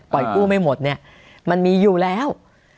กู้ไม่หมดเนี่ยมันมีอยู่แล้ว